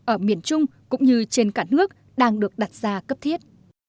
ở miền trung cũng như trên cả nước đang được đặt ra cấp thiết